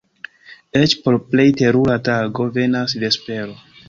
Eĉ por plej terura tago venas vespero.